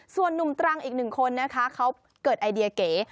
ส่วนนุ่มตรังอีกหนึ่งคนนะคะเขาเกิดไอเดียเก๋